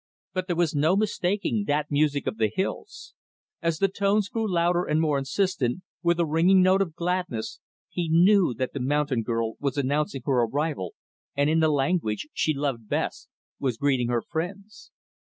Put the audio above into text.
But there was no mistaking that music of the hills. As the tones grew louder and more insistent, with a ringing note of gladness, he knew that the mountain girl was announcing her arrival and, in the language she loved best, was greeting her friends.